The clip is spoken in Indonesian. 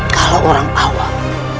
kalau orang awal